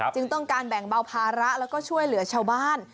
จึงต้องการแบ่งเบาภาระแล้วก็ช่วยเหลือชาวบ้าน